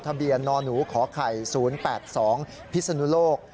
ทะเบียนนหนูขอไข่๐๘๒พิศนุโลก